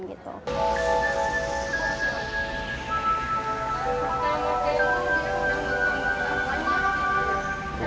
jadi kita bisa berpikir pikir